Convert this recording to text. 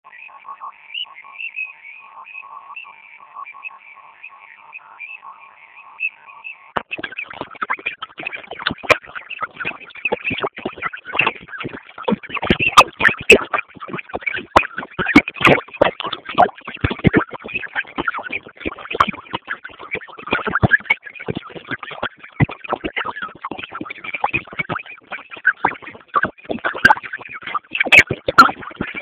د نورو نظرونو ته درناوی وکړئ.